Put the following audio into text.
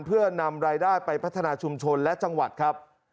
เพื่อนำรายได้ไปพัฒนาชุมชนและจังหวัดครับ